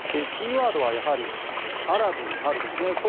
キーワードはやはりアラブの春ですね。